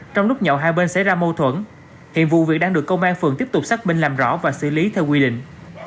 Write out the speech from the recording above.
trong lúc nhậu hai bên xảy ra mâu thuẫn hiện vụ việc đang được công an phường tiếp tục xác minh làm rõ và xử lý theo quy định